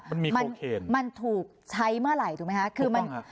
มันมีโคเคนมันถูกใช้เมื่อไหร่ถูกไหมฮะถูกต้องครับ